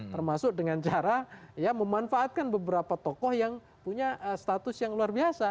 termasuk dengan cara memanfaatkan beberapa tokoh yang punya status yang luar biasa